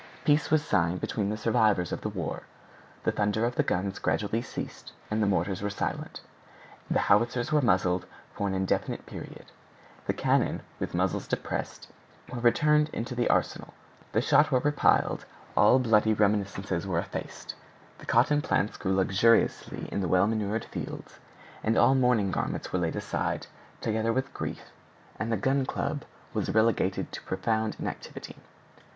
—peace was signed between the survivors of the war; the thunder of the guns gradually ceased, the mortars were silent, the howitzers were muzzled for an indefinite period, the cannon, with muzzles depressed, were returned into the arsenal, the shot were repiled, all bloody reminiscences were effaced; the cotton plants grew luxuriantly in the well manured fields, all mourning garments were laid aside, together with grief; and the Gun Club was relegated to profound inactivity.